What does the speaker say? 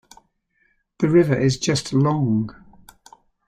The river is just long.